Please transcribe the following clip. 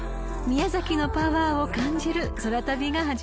［宮崎のパワーを感じる空旅が始まります］